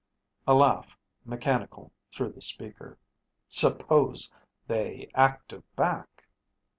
A laugh, mechanical, through the speaker. "Suppose they 'active' back?"